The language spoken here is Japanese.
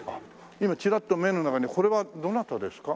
今チラッと目の中にこれはどなたですか？